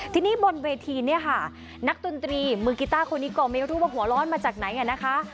ทีนี้บนเวทีเนี่ยค่ะนักดนตรีมือกีต้าคนนี้ก็ไม่รู้ว่าหัวร้อนมาจากไหนอ่ะนะคะ